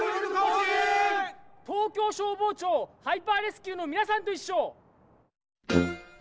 東京消防庁ハイパーレスキューのみなさんといっしょ。